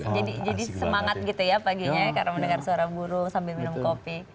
jadi semangat gitu ya paginya ya karena mendengar suara burung sambil minum kopi